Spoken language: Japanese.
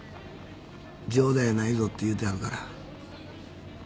冗談やないぞって言うてあるから。